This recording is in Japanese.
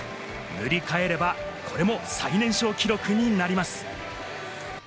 塗り替えればこれも最年少記録になります。